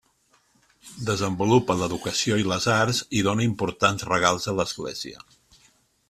Desenvolupa l'educació i les arts i dóna importants regals a l'Església.